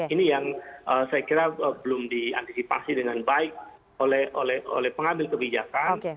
ini yang saya kira belum diantisipasi dengan baik oleh pengambil kebijakan